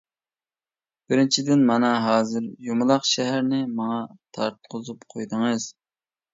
بىرىنچىدىن، مانا ھازىر يۇمىلاق شەھەرنى ماڭا تارتقۇزۇپ قويدىڭىز.